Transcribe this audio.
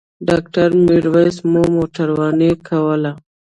ډاکټر میرویس مو موټرواني کوله.